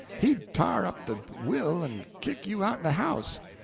He'd t'ar up de will en kick you outen de house.